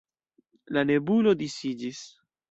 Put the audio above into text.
La nebulo disiĝis.